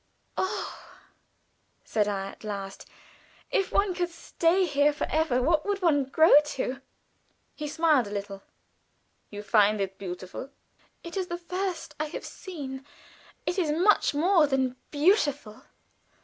"Oh!" said I, at last, "if one could stay here forever, what would one grow to?" He smiled a little. "You find it beautiful?" "It is the first I have seen. It is much more than beautiful."